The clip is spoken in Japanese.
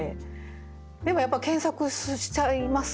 でもやっぱ検索しちゃいます？